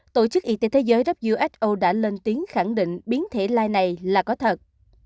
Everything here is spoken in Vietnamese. tổ chức y tế thế giới who đã lên tiếng khẳng định biến thể lai này là có thật